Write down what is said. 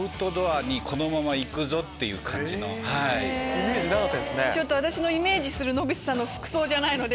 イメージなかったですね。